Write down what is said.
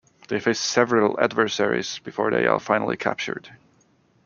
They face several adversaries before they are finally captured.